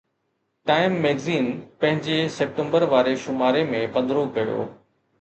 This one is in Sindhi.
ٽائم ميگزين پنهنجي سيپٽمبر واري شماري ۾ پڌرو ڪيو